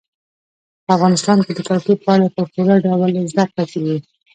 په افغانستان کې د کلتور په اړه په پوره ډول زده کړه کېږي.